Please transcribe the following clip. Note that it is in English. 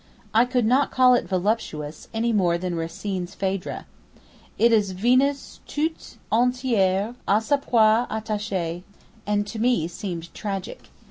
I could not call it voluptuous any more than Racine's Phèdre. It is Venus toute entière à sa proie attachée, and to me seemed tragic.